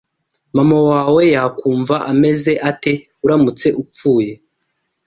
MAMA wawe yakumva ameze ate uramutse upfuye